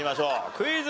クイズ。